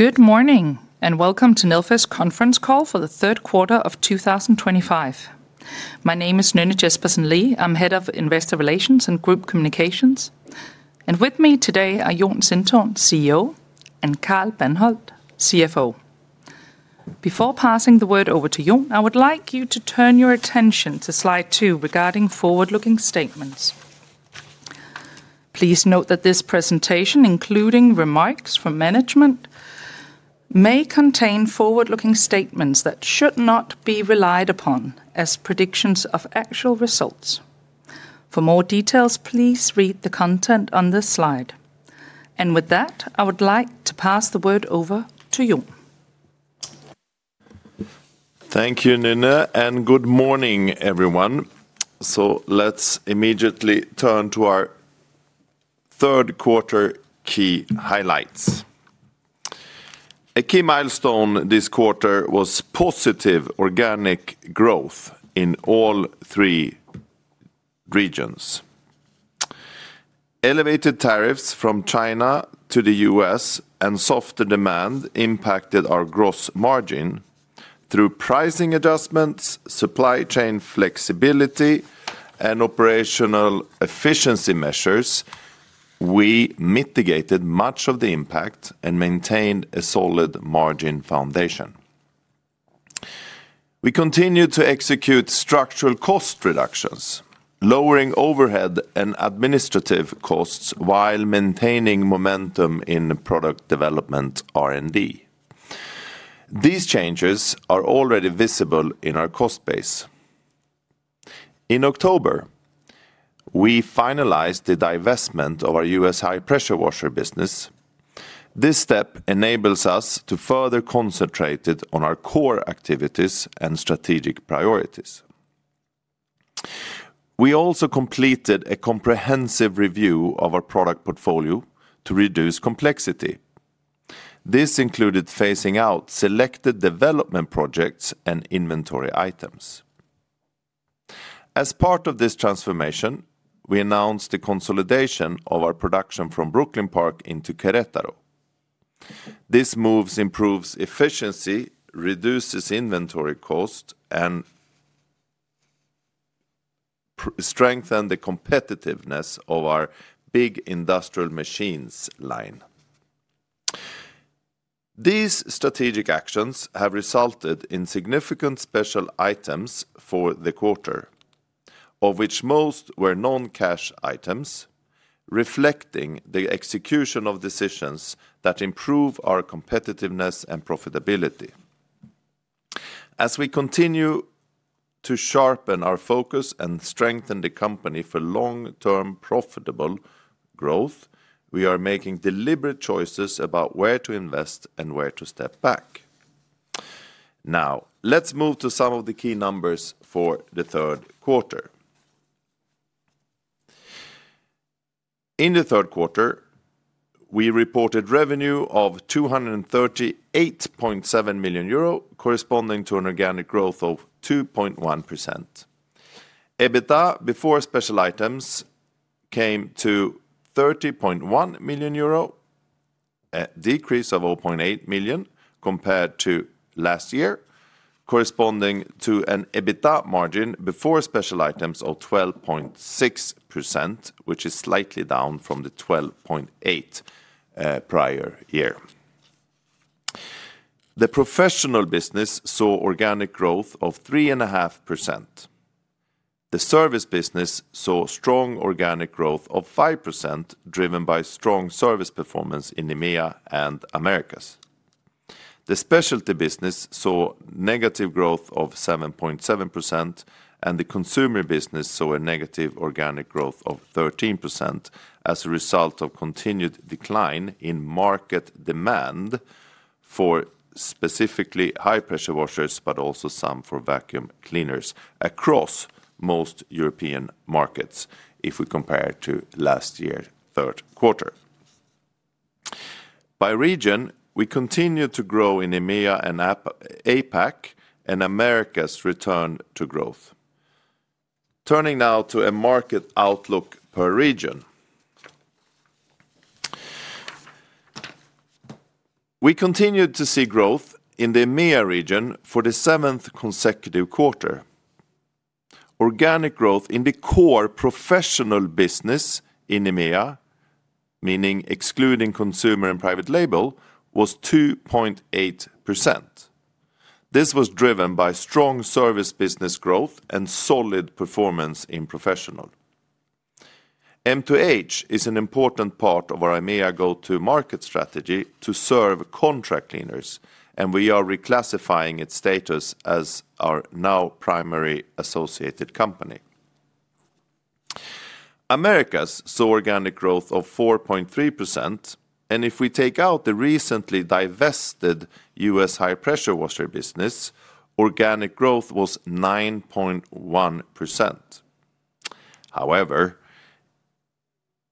Good morning, and welcome to Nilfisk Conference Call for the third quarter of 2025. My name is Nynne Jespersen Lee. I'm Head of Investor Relations and Group Communications. With me today are Jon Sintorn, CEO, and Carl Bandhold, CFO. Before passing the word over to Jon, I would like you to turn your attention to slide two regarding forward-looking statements. Please note that this presentation, including remarks from management, may contain forward-looking statements that should not be relied upon as predictions of actual results. For more details, please read the content on this slide. With that, I would like to pass the word over to Jon. Thank you, Nynne, and good morning, everyone. Let's immediately turn to our third quarter key highlights. A key milestone this quarter was positive organic growth in all three regions. Elevated tariffs from China to the US and softer demand impacted our gross margin. Through pricing adjustments, supply chain flexibility, and operational efficiency measures, we mitigated much of the impact and maintained a solid margin foundation. We continue to execute structural cost reductions, lowering overhead and administrative costs while maintaining momentum in product development R&D. These changes are already visible in our cost base. In October, we finalized the divestment of our US high-pressure washer business. This step enables us to further concentrate on our core activities and strategic priorities. We also completed a comprehensive review of our product portfolio to reduce complexity. This included phasing out selected development projects and inventory items. As part of this transformation, we announced the consolidation of our production from Brooklyn Park into Querétaro. These moves improve efficiency, reduce inventory costs, and strengthen the competitiveness of our big industrial machines line. These strategic actions have resulted in significant special items for the quarter, of which most were non-cash items, reflecting the execution of decisions that improve our competitiveness and profitability. As we continue to sharpen our focus and strengthen the company for long-term profitable growth, we are making deliberate choices about where to invest and where to step back. Now, let's move to some of the key numbers for the third quarter. In the third quarter, we reported revenue of 238.7 million euro, corresponding to an organic growth of 2.1%. EBITDA before special items came to 30.1 million euro, a decrease of 0.8 million compared to last year, corresponding to an EBITDA margin before special items of 12.6%, which is slightly down from the 12.8% prior year. The professional business saw organic growth of 3.5%. The service business saw strong organic growth of 5%, driven by strong service performance in EMEA and Americas. The specialty business saw negative growth of 7.7%, and the consumer business saw a negative organic growth of 13% as a result of continued decline in market demand for specifically high-pressure washers, but also some for vacuum cleaners across most European markets, if we compare to last year's third quarter. By region, we continue to grow in EMEA and APAC, and Americas return to growth. Turning now to a market outlook per region. We continue to see growth in the EMEA region for the seventh consecutive quarter. Organic growth in the core professional business in EMEA, meaning excluding consumer and private label, was 2.8%. This was driven by strong service business growth and solid performance in professional. M2H is an important part of our EMEA go-to-market strategy to serve contract cleaners, and we are reclassifying its status as our now primary associated company. Americas organic growth was 4.3%, and if we take out the recently divested U.S. high-pressure washer business, organic growth was 9.1%. However,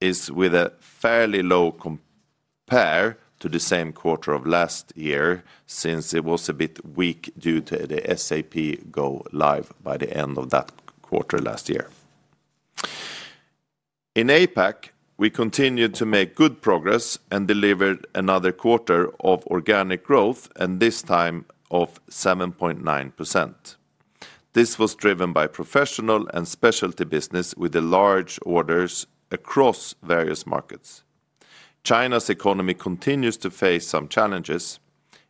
it is with a fairly low compare to the same quarter of last year since it was a bit weak due to the SAP go live by the end of that quarter last year. In APAC, we continued to make good progress and delivered another quarter of organic growth, and this time of 7.9%. This was driven by professional and specialty business with large orders across various markets. China's economy continues to face some challenges.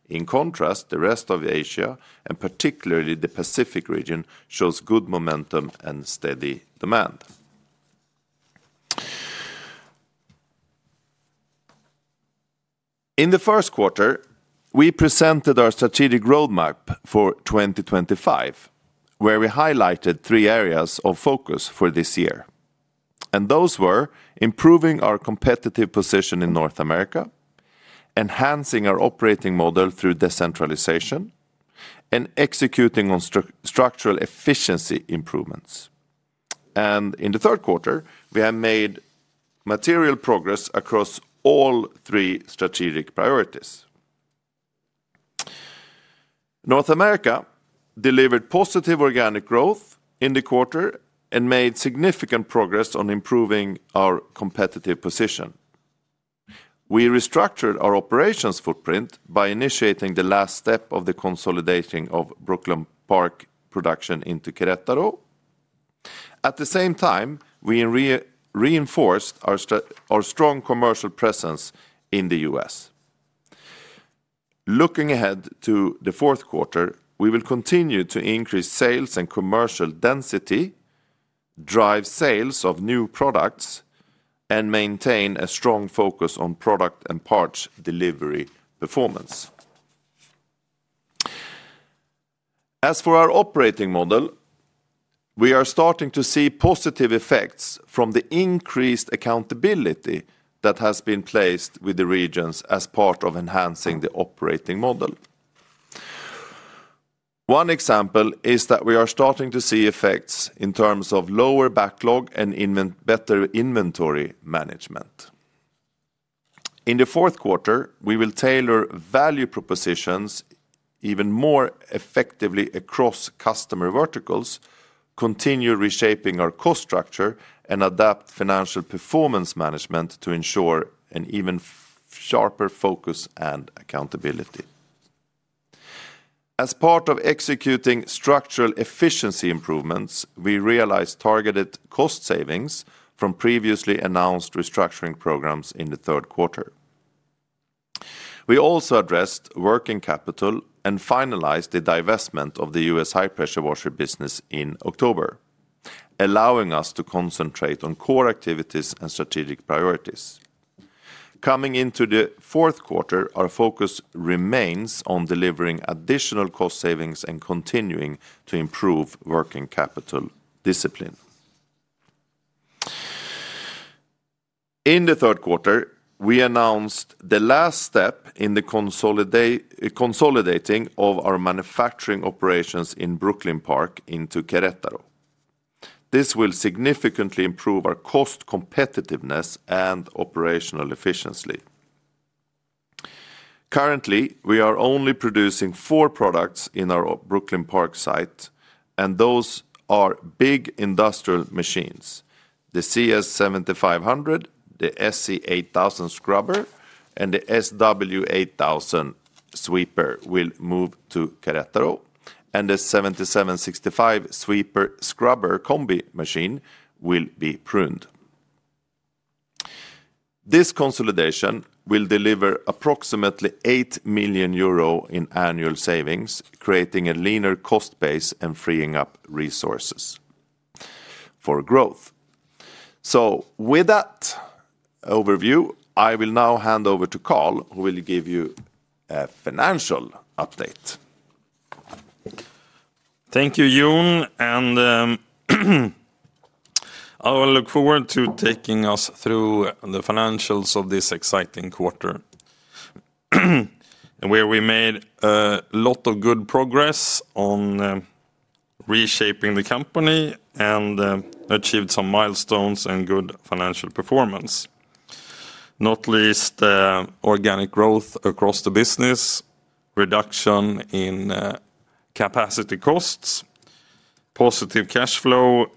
In contrast, the rest of Asia, and particularly the Pacific region, shows good momentum and steady demand. In the first quarter, we presented our strategic roadmap for 2025, where we highlighted three areas of focus for this year. Those were improving our competitive position in North America, enhancing our operating model through decentralization, and executing on structural efficiency improvements. In the third quarter, we have made material progress across all three strategic priorities. North America delivered positive organic growth in the quarter and made significant progress on improving our competitive position. We restructured our operations footprint by initiating the last step of the consolidating of Brooklyn Park production into Querétaro. At the same time, we reinforced our strong commercial presence in the U.S.,Looking ahead to the fourth quarter, we will continue to increase sales and commercial density, drive sales of new products, and maintain a strong focus on product and parts delivery performance. As for our operating model, we are starting to see positive effects from the increased accountability that has been placed with the regions as part of enhancing the operating model. One example is that we are starting to see effects in terms of lower backlog and better inventory management. In the fourth quarter, we will tailor value propositions even more effectively across customer verticals, continue reshaping our cost structure, and adapt financial performance management to ensure an even sharper focus and accountability. As part of executing structural efficiency improvements, we realized targeted cost savings from previously announced restructuring programs in the third quarter. We also addressed working capital and finalized the divestment of the US high-pressure washer business in October, allowing us to concentrate on core activities and strategic priorities. Coming into the fourth quarter, our focus remains on delivering additional cost savings and continuing to improve working capital discipline. In the third quarter, we announced the last step in the consolidating of our manufacturing operations in Brooklyn Park into Querétaro. This will significantly improve our cost competitiveness and operational efficiency. Currently, we are only producing four products in our Brooklyn Park site, and those are big industrial machines. The CS7500, the SC8000 scrubber, and the SW8000 sweeper will move to Querétaro, and the 7765 sweeper scrubber combi machine will be pruned. This consolidation will deliver approximately eight million EUR in annual savings, creating a leaner cost base and freeing up resources for growth. With that overview, I will now hand over to Carl, who will give you a financial update. Thank you, Jon, and I will look forward to taking us through the financials of this exciting quarter, where we made a lot of good progress on reshaping the company and achieved some milestones and good financial performance. Not least, organic growth across the business, reduction in capacity costs, positive cash flow,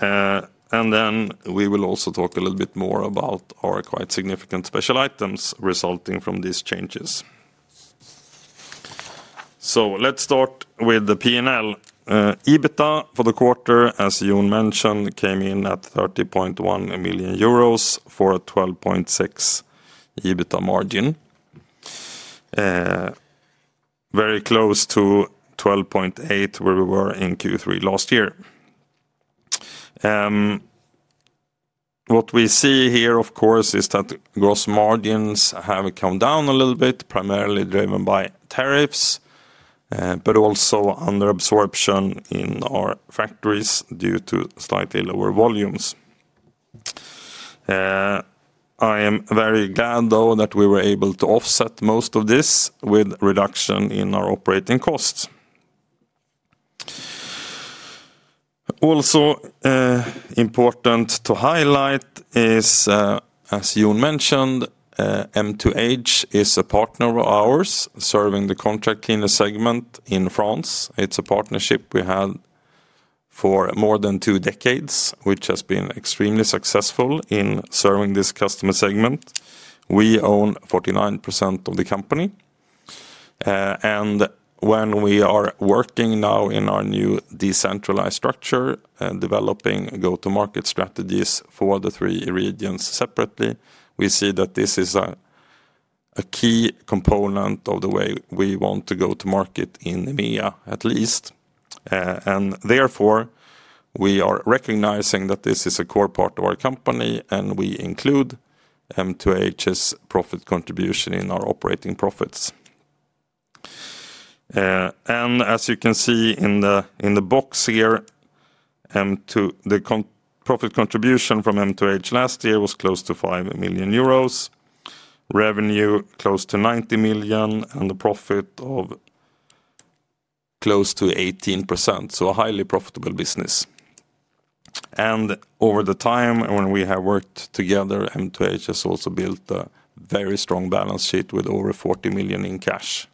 and we will also talk a little bit more about our quite significant special items resulting from these changes. Let's start with the P&L. EBITDA for the quarter, as Jon mentioned, came in at 30.1 million euros for a 12.6% EBITDA margin, very close to 12.8% where we were in Q3 last year. What we see here, of course, is that gross margins have come down a little bit, primarily driven by tariffs, but also under absorption in our factories due to slightly lower volumes.I am very glad, though, that we were able to offset most of this with reduction in our operating costs. Also important to highlight is, as Jon mentioned, M2H is a partner of ours serving the contract cleaner segment in France. It's a partnership we had for more than two decades, which has been extremely successful in serving this customer segment. We own 49% of the company. When we are working now in our new decentralized structure and developing go-to-market strategies for the three regions separately, we see that this is a key component of the way we want to go-to-market in EMEA, at least. Therefore, we are recognizing that this is a core part of our company, and we include M2H's profit contribution in our operating profits. As you can see in the box here, the profit contribution from M2H last year was close to 5 million euros, revenue close to 90 million, and the profit of close to 18%. A highly profitable business. Over the time when we have worked together, M2H has also built a very strong balance sheet with over 40 million in cash,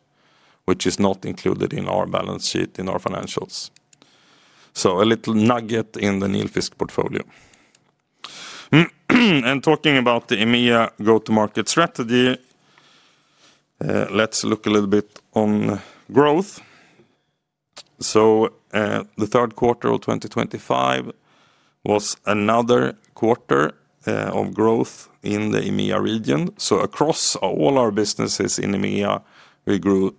which is not included in our balance sheet in our financials. A little nugget in the Nilfisk portfolio. Talking about the EMEA go-to-market strategy, let's look a little bit on growth. The third quarter of 2025 was another quarter of growth in the EMEA region. Across all our businesses in EMEA, we grew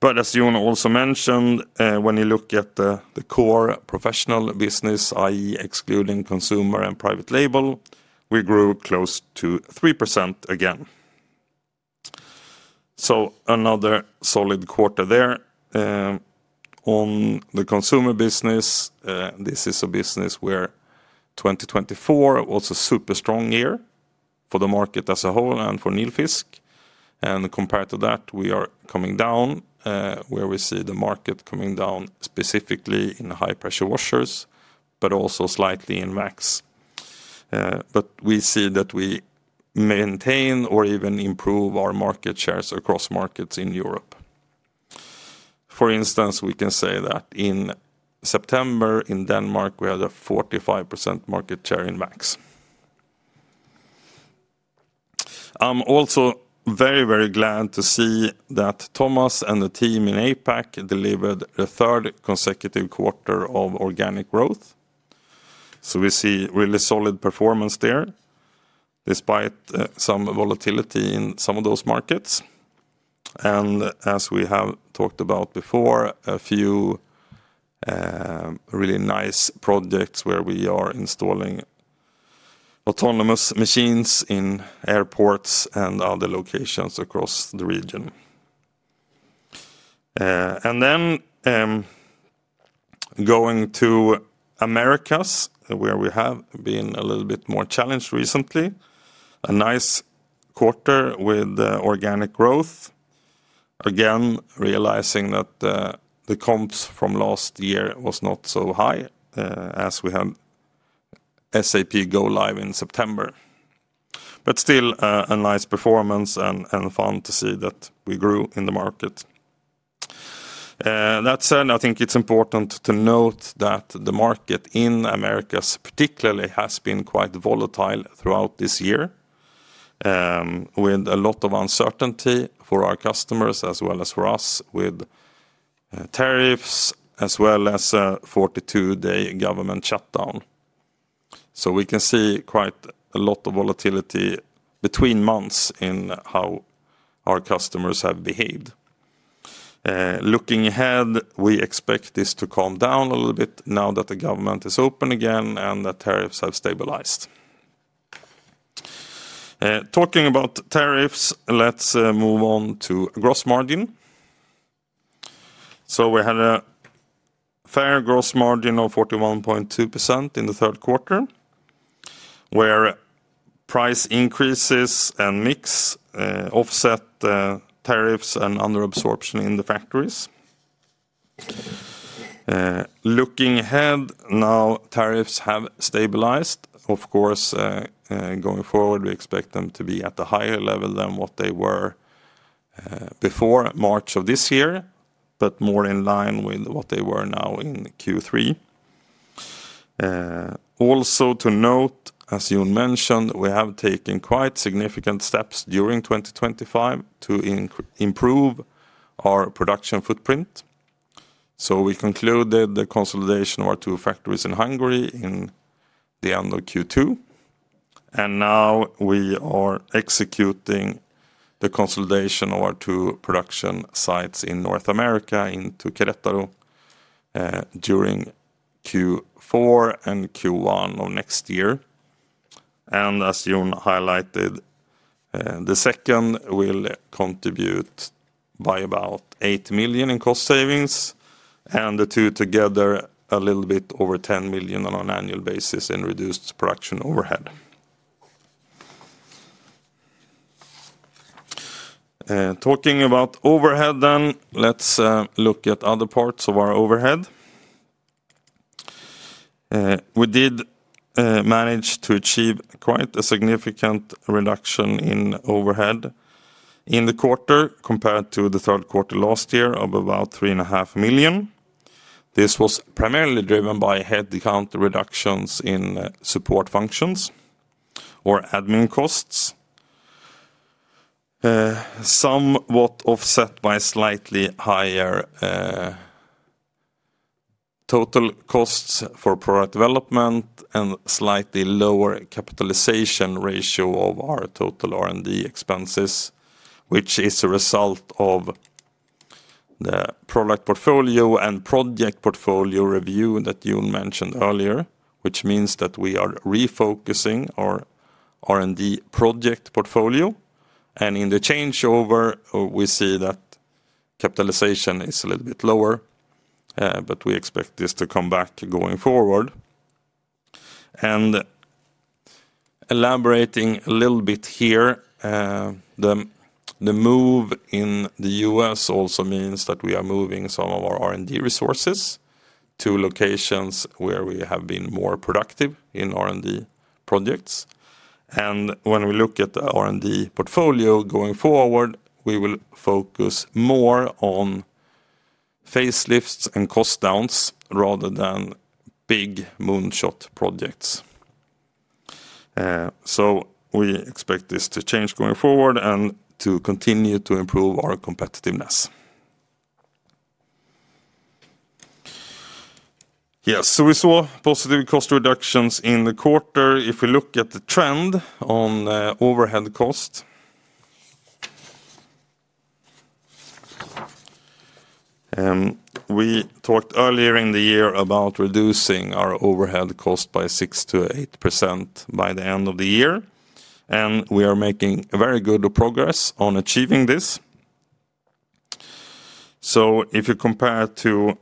0.1%. As Jon also mentioned, when you look at the core professional business, i.e., excluding consumer and private label, we grew close to three percent again. Another solid quarter there. On the consumer business, this is a business where 2024 was a super strong year for the market as a whole and for Nilfisk. Compared to that, we are coming down, where we see the market coming down specifically in high-pressure washers, but also slightly in VAX. We see that we maintain or even improve our market shares across markets in Europe. For instance, in September in Denmark, we had a 45% market share in VAX. I'm also very, very glad to see that Thomas and the team in APAC delivered the third consecutive quarter of organic growth. We see really solid performance there despite some volatility in some of those markets. As we have talked about before, a few really nice projects where we are installing autonomous machines in airports and other locations across the region. Going to Americas, where we have been a little bit more challenged recently. A nice quarter with organic growth. Again, realizing that the comps from last year was not so high as we had SAP go live in September. Still a nice performance and fun to see that we grew in the market. That said, I think it's important to note that the market in Americas particularly has been quite volatile throughout this year, with a lot of uncertainty for our customers as well as for us, with tariffs as well as a 42-day government shutdown. We can see quite a lot of volatility between months in how our customers have behaved. Looking ahead, we expect this to calm down a little bit now that the government is open again and the tariffs have stabilized. Talking about tariffs, let's move on to gross margin. We had a fair gross margin of 41.2% in the third quarter, where price increases and mix offset tariffs and under absorption in the factories. Looking ahead, now tariffs have stabilized. Of course, going forward, we expect them to be at a higher level than what they were before March of this year, but more in line with what they were now in Q3. Also to note, as Jon mentioned, we have taken quite significant steps during 2025 to improve our production footprint. We concluded the consolidation of our two factories in Hungary in the end of Q2. Now we are executing the consolidation of our two production sites in North America into Querétaro during Q4 and Q1 of next year. As Jon highlighted, the second will contribute by about $8 million in cost savings, and the two together a little bit over $10 million on an annual basis in reduced production overhead. Talking about overhead then, let's look at other parts of our overhead. We did manage to achieve quite a significant reduction in overhead in the quarter compared to the third quarter last year of about $3.5 million. This was primarily driven by headcount reductions in support functions or admin costs, somewhat offset by slightly higher total costs for product development and slightly lower capitalization ratio of our total R&D expenses, which is a result of the product portfolio and project portfolio review that Jon mentioned earlier, which means that we are refocusing our R&D project portfolio. In the changeover, we see that capitalization is a little bit lower, but we expect this to come back going forward. Elaborating a little bit here, the move in the US also means that we are moving some of our R&D resources to locations where we have been more productive in R&D projects. When we look at the R&D portfolio going forward, we will focus more on facelifts and cost downs rather than big moonshot projects. We expect this to change going forward and to continue to improve our competitiveness. Yes, we saw positive cost reductions in the quarter. If we look at the trend on overhead cost, we talked earlier in the year about reducing our overhead cost by 6-8% by the end of the year, and we are making very good progress on achieving this. If you compare to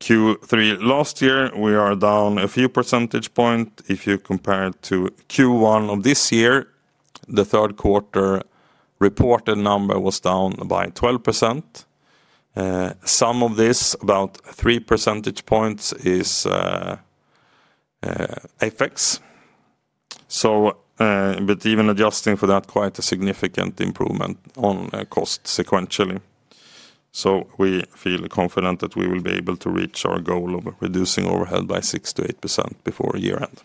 Q3 last year, we are down a few percentage points. If you compare to Q1 of this year, the third quarter reported number was down by 12%. Some of this, about three percentage points, is FX. Even adjusting for that, quite a significant improvement on cost sequentially. We feel confident that we will be able to reach our goal of reducing overhead by 6-8% before year-end.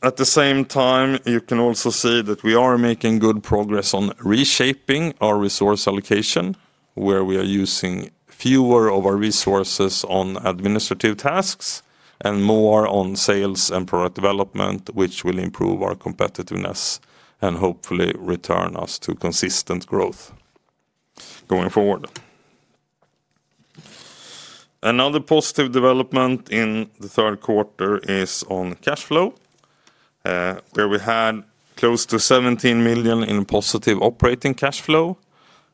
At the same time, you can also see that we are making good progress on reshaping our resource allocation, where we are using fewer of our resources on administrative tasks and more on sales and product development, which will improve our competitiveness and hopefully return us to consistent growth going forward. Another positive development in the third quarter is on cash flow, where we had close to 17 million in positive operating cash flow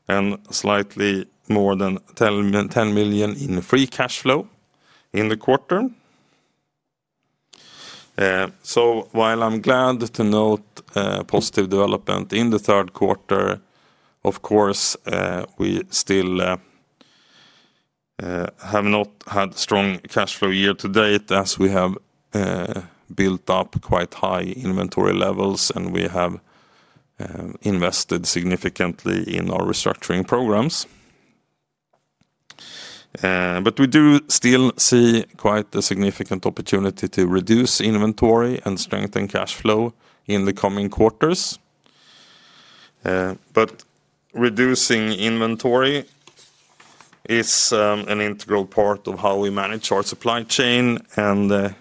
and slightly more than 10 million in free cash flow in the quarter. While I'm glad to note positive development in the third quarter, of course, we still have not had strong cash flow year to date as we have built up quite high inventory levels and we have invested significantly in our restructuring programs. We do still see quite a significant opportunity to reduce inventory and strengthen cash flow in the coming quarters. Reducing inventory is an integral part of how we manage our supply chain, and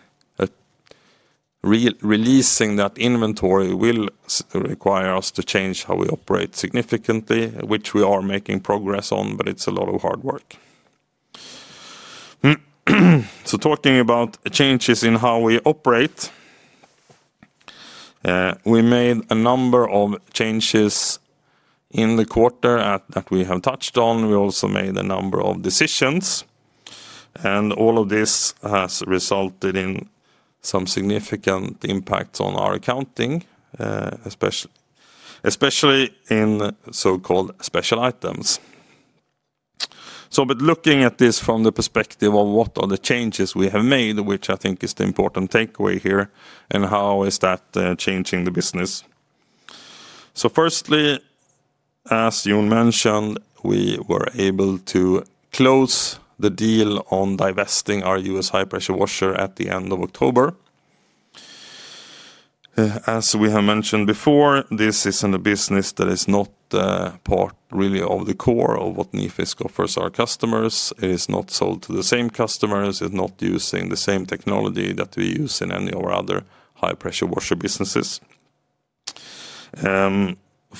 releasing that inventory will require us to change how we operate significantly, which we are making progress on, but it's a lot of hard work. Talking about changes in how we operate, we made a number of changes in the quarter that we have touched on. We also made a number of decisions, and all of this has resulted in some significant impacts on our accounting, especially in so-called special items. Looking at this from the perspective of what are the changes we have made, which I think is the important takeaway here, and how is that changing the business? Firstly, as Jon mentioned, we were able to close the deal on divesting our US high-pressure washer at the end of October. As we have mentioned before, this is not a business that is really part of the core of what Nilfisk offers our customers. It is not sold to the same customers. It's not using the same technology that we use in any of our other high-pressure washer businesses.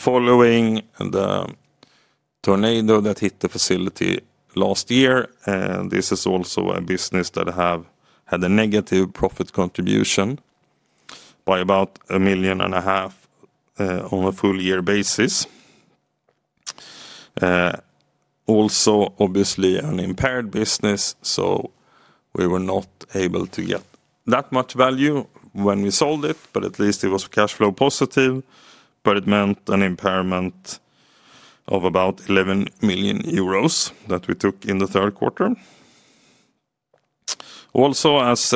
Following the tornado that hit the facility last year, this is also a business that had a negative profit contribution by about 1.5 million on a full year basis. Also, obviously, an impaired business, so we were not able to get that much value when we sold it, but at least it was cash flow positive. It meant an impairment of about 11 million euros that we took in the third quarter. Also, as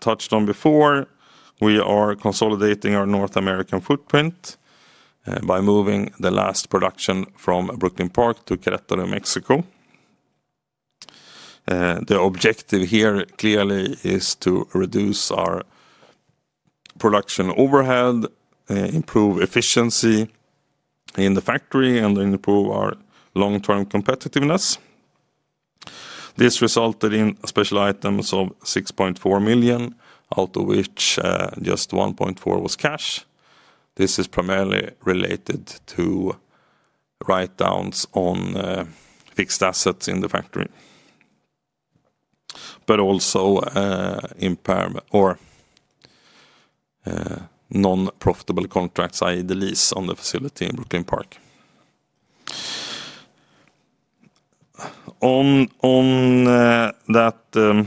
touched on before, we are consolidating our North American footprint by moving the last production from Brooklyn Park to Querétaro, Mexico. The objective here clearly is to reduce our production overhead, improve efficiency in the factory, and improve our long-term competitiveness. This resulted in special items of 6.4 million, out of which just 1.4 million was cash. This is primarily related to write-downs on fixed assets in the factory, but also non-profitable contracts, i.e., the lease on the facility in Brooklyn Park. In that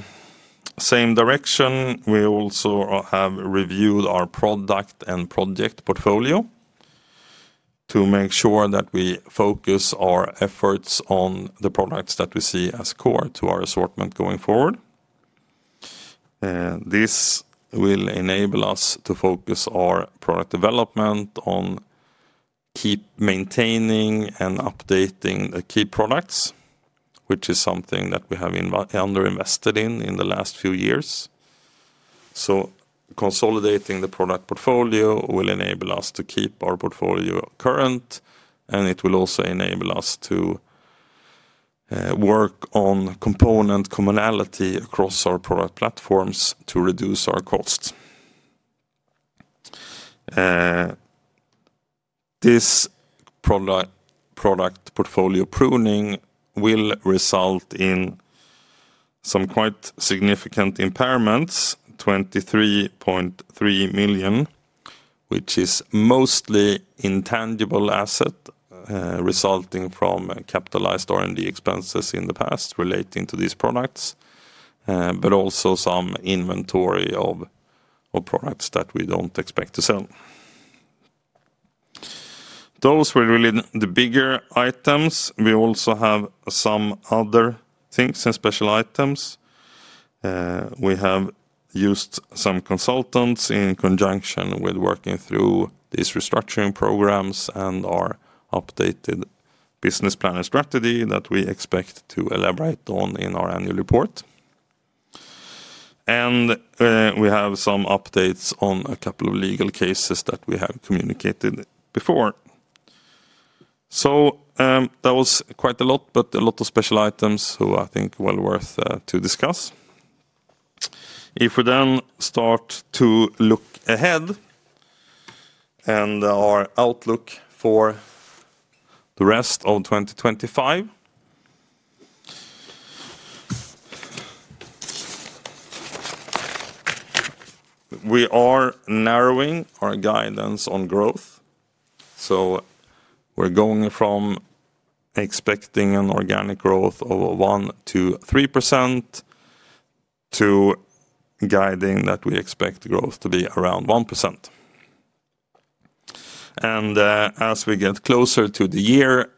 same direction, we also have reviewed our product and project portfolio to make sure that we focus our efforts on the products that we see as core to our assortment going forward. This will enable us to focus our product development on keep maintaining and updating the key products, which is something that we have under-invested in in the last few years. Consolidating the product portfolio will enable us to keep our portfolio current, and it will also enable us to work on component commonality across our product platforms to reduce our costs. This product portfolio pruning will result in some quite significant impairments, 23.3 million, which is mostly intangible asset resulting from capitalized R&D expenses in the past relating to these products, but also some inventory of products that we do not expect to sell. Those were really the bigger items. We also have some other things and special items. We have used some consultants in conjunction with working through these restructuring programs and our updated business plan and strategy that we expect to elaborate on in our annual report. We have some updates on a couple of legal cases that we have communicated before. That was quite a lot, but a lot of special items who I think are well worth to discuss. If we then start to look ahead and our outlook for the rest of 2025, we are narrowing our guidance on growth. We're going from expecting an organic growth of 1-3% to guiding that we expect growth to be around one percent. As we get closer to the year,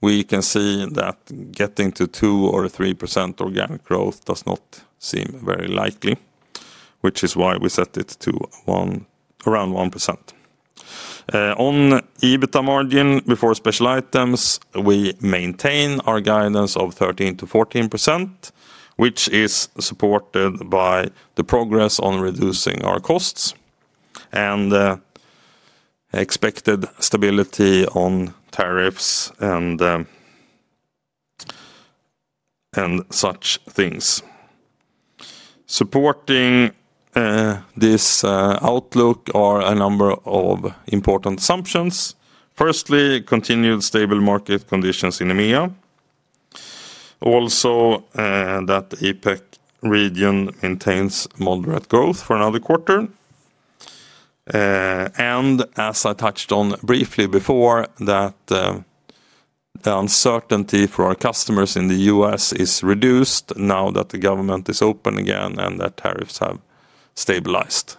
we can see that getting to two percent or three percent organic growth does not seem very likely, which is why we set it to around one percent. On EBITDA margin before special items, we maintain our guidance of 13-14%, which is supported by the progress on reducing our costs and expected stability on tariffs and such things. Supporting this outlook are a number of important assumptions. Firstly, continued stable market conditions in EMEA. Also, that the APAC region maintains moderate growth for another quarter. As I touched on briefly before, the uncertainty for our customers in the U.S. is reduced now that the government is open again and that tariffs have stabilized.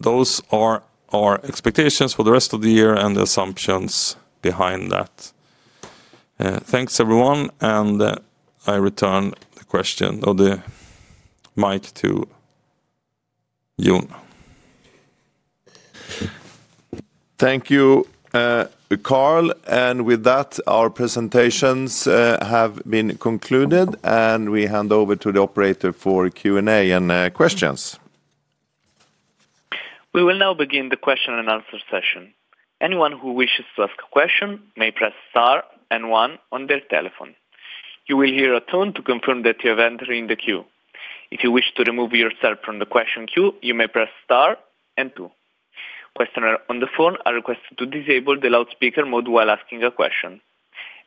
Those are our expectations for the rest of the year and the assumptions behind that. Thanks, everyone. I return the question or the mic to Jon. Thank you, Carl. With that, our presentations have been concluded, and we hand over to the operator for Q&A and questions. We will now begin the question and answer session. Anyone who wishes to ask a question may press star and one on their telephone. You will hear a tone to confirm that you have entered in the queue. If you wish to remove yourself from the question queue, you may press star and two. Questioner on the phone are requested to disable the loudspeaker mode while asking a question.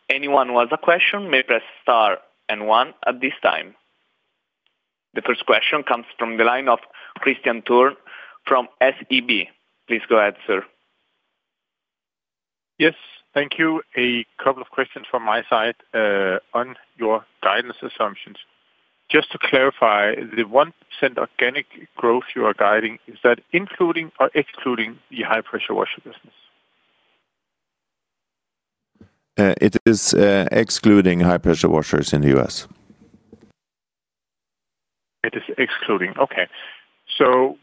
Anyone who has a question may press star and one at this time. The first question comes from the line of Christian Turn from SEB. Please go ahead, sir. Yes, thank you. A couple of questions from my side on your guidance assumptions. Just to clarify, the one percent organic growth you are guiding, is that including or excluding the high-pressure washer business? It is excluding high-pressure washers in the US. It is excluding. Okay.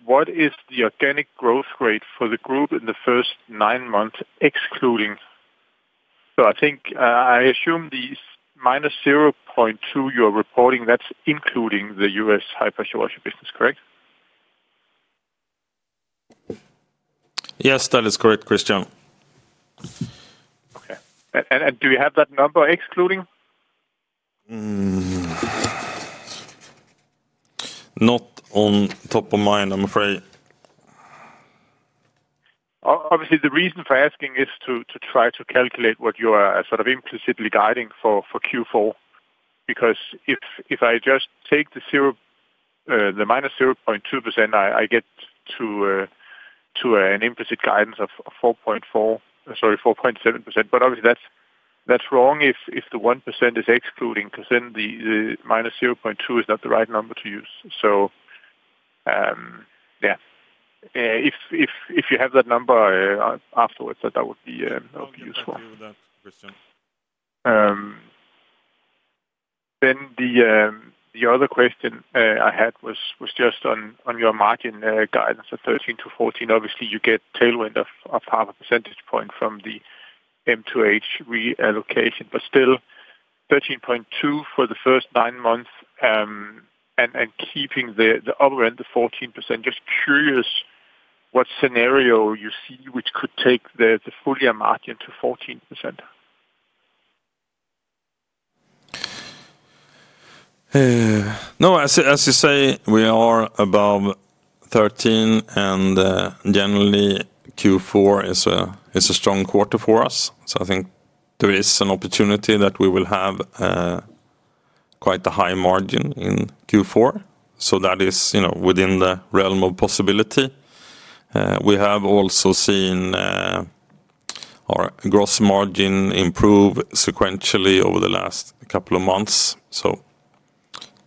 What is the organic growth rate for the group in the first nine months excluding? I assume the minus 0.2% you are reporting, that's including the US high-pressure washer business, correct? Yes, that is correct, Christian. Okay. Do you have that number excluding? Not on top of mind, I'm afraid. Obviously, the reason for asking is to try to calculate what you are sort of implicitly guiding for Q4, because if I just take the minus 0.2%, I get to an implicit guidance of 4.7%.Obviously, that's wrong if the one percent is excluding, because then the -0.2 is not the right number to use. If you have that number afterwards, that would be useful. Thank you for that, Christian. The other question I had was just on your margin guidance of 13-14%. Obviously, you get tailwind of half a percentage point from the M2H reallocation, but still 13.2% for the first nine months and keeping the other end, the 14%. Just curious what scenario you see which could take the full year margin to 14%. No, as you say, we are above 13%, and generally, Q4 is a strong quarter for us. I think there is an opportunity that we will have quite a high margin in Q4. That is within the realm of possibility. We have also seen our gross margin improve sequentially over the last couple of months.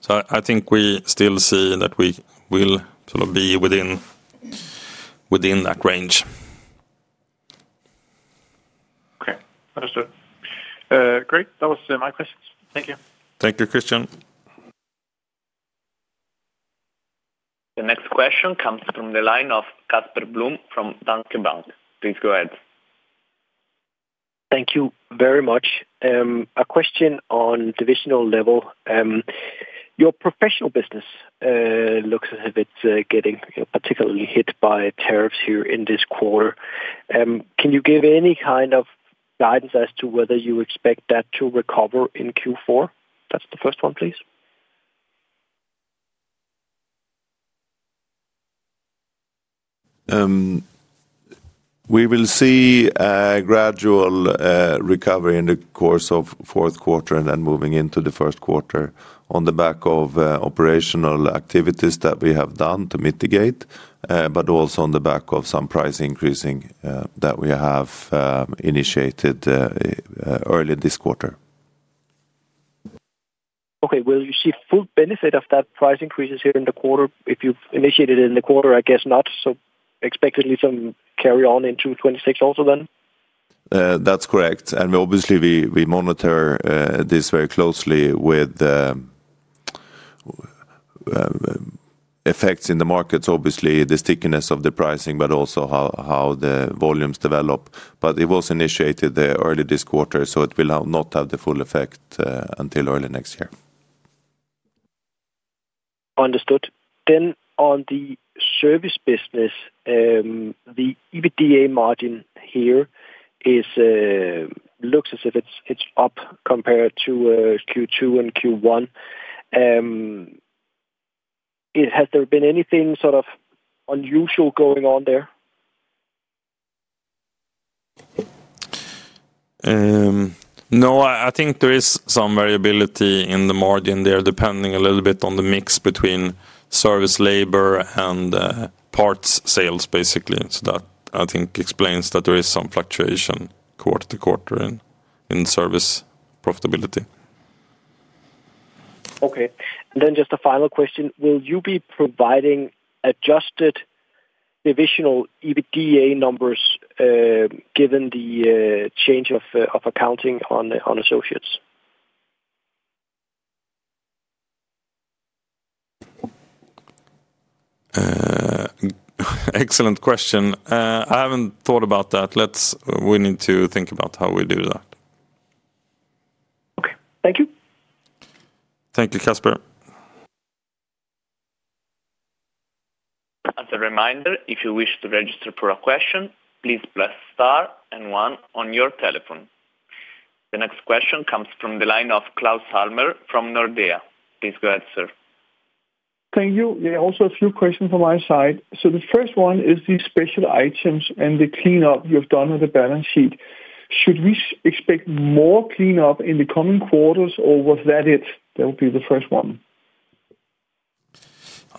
I think we still see that we will sort of be within that range. Okay. Understood. Great. That was my questions. Thank you. Thank you, Christian. The next question comes from the line of Casper Blom from Danske Bank. Please go ahead. Thank you very much. A question on divisional level. Your professional business looks as if it's getting particularly hit by tariffs here in this quarter. Can you give any kind of guidance as to whether you expect that to recover in Q4? That's the first one, please. We will see a gradual recovery in the course of fourth quarter and then moving into the first quarter on the back of operational activities that we have done to mitigate, but also on the back of some price increasing that we have initiated early this quarter. Okay. Will you see full benefit of that price increases here in the quarter? If you've initiated it in the quarter, I guess not. Expectedly some carry-on into 2026 also then? That's correct. Obviously, we monitor this very closely with effects in the markets, obviously the stickiness of the pricing, but also how the volumes develop. It was initiated early this quarter, so it will not have the full effect until early next year. Understood. On the service business, the EBITDA margin here looks as if it's up compared to Q2 and Q1. Has there been anything sort of unusual going on there? No, I think there is some variability in the margin there, depending a little bit on the mix between service labor and parts sales, basically. That, I think, explains that there is some fluctuation quarter to quarter in service profitability. Okay. Just a final question. Will you be providing adjusted divisional EBITDA numbers given the change of accounting on associates? Excellent question. I haven't thought about that. We need to think about how we do that. Okay. Thank you. Thank you, Casper. As a reminder, if you wish to register for a question, please press star and one on your telephone. The next question comes from the line of Klaus Elmer from Nordea. Please go ahead, sir. Thank you. Yeah, also a few questions on my side. The first one is the special items and the cleanup you've done with the balance sheet. Should we expect more cleanup in the coming quarters, or was that it? That would be the first one.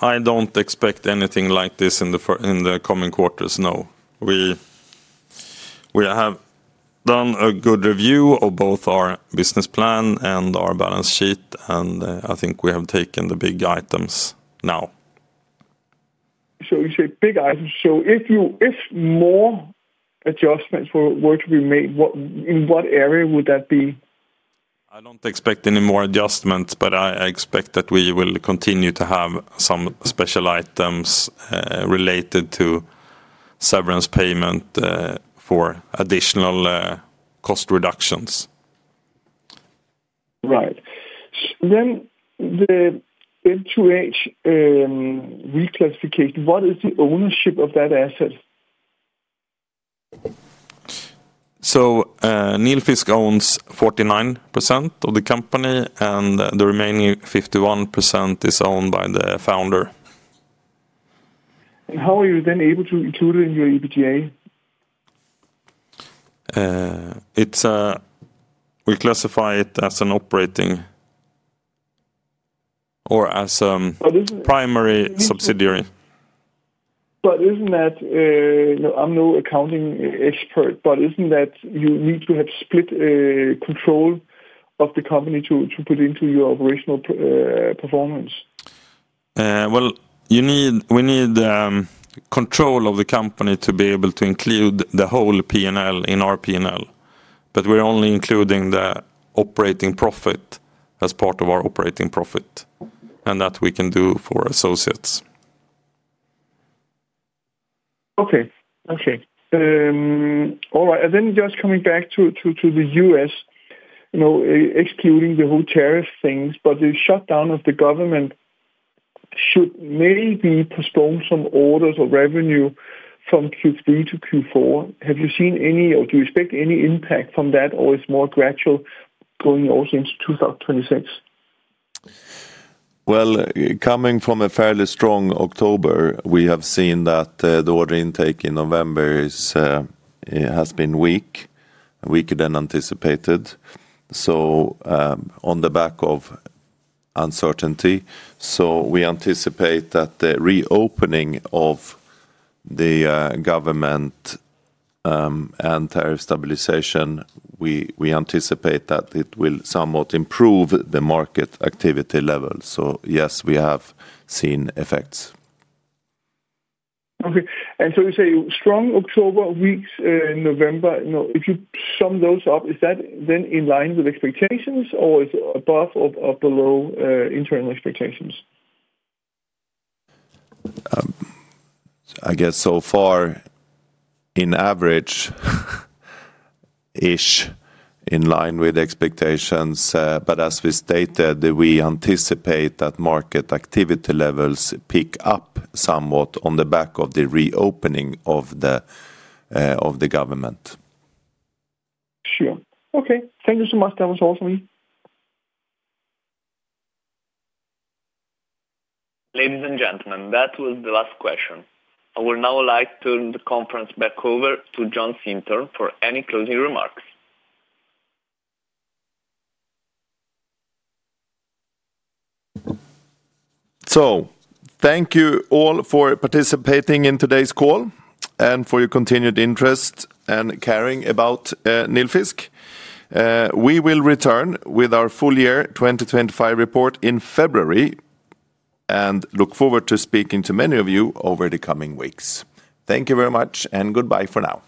I don't expect anything like this in the coming quarters, no. We have done a good review of both our business plan and our balance sheet, and I think we have taken the big items now. You say big items. If more adjustments were to be made, in what area would that be? I don't expect any more adjustments, but I expect that we will continue to have some special items related to severance payment for additional cost reductions. Right. The M2H reclassification, what is the ownership of that asset? Nilfisk owns 49% of the company, and the remaining 51% is owned by the founder. How are you then able to include it in your EBITDA? We classify it as an operating or as a primary subsidiary. Is that—I am no accounting expert—is that you need to have split control of the company to put into your operational performance? We need control of the company to be able to include the whole P&L in our P&L. We are only including the operating profit as part of our operating profit, and that we can do for associates. Okay. All right. Just coming back to the U.S., excluding the whole tariff thing, the shutdown of the government should maybe postpone some orders of revenue from Q3 to Q4. Have you seen any, or do you expect any impact from that, or is it more gradual going also into 2026? Coming from a fairly strong October, we have seen that the order intake in November has been weak, weaker than anticipated, on the back of uncertainty. We anticipate that the reopening of the government and tariff stabilization will somewhat improve the market activity level. Yes, we have seen effects. Okay. You say strong October, weak November. If you sum those up, is that then in line with expectations, or is it above or below internal expectations? I guess so far, on average, in line with expectations. As we stated, we anticipate that market activity levels pick up somewhat on the back of the reopening of the government. Sure. Okay. Thank you so much. That was all for me. Ladies and gentlemen, that was the last question.I would now like to turn the conference back over to Jon Sintorn for any closing remarks. Thank you all for participating in today's call and for your continued interest and caring about Nilfisk. We will return with our full year 2025 report in February and look forward to speaking to many of you over the coming weeks. Thank you very much, and goodbye for now.